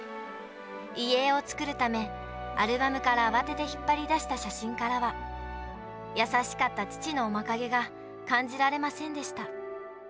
遺影を作るため、アルバムから慌てて引っ張り出した写真からは、優しかった父の面影が感じられませんでした。